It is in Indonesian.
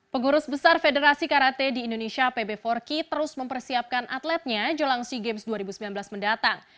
pengurus besar federasi karate di indonesia pb empati terus mempersiapkan atletnya jelang sea games dua ribu sembilan belas mendatang